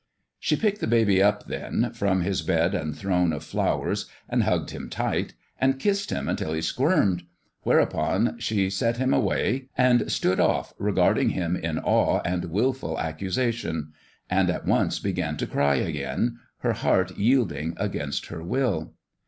She picked the baby up, then, from his bed and throne of flowers, and hugged him tight, and kissed him until he squirmed : whereupon she set him away, and stood off, regarding him in awe and willful accusation and at once began to cry again, her heart yielding against her will.